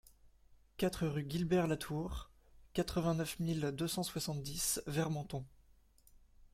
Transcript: quatre rue Guilbert Latour, quatre-vingt-neuf mille deux cent soixante-dix Vermenton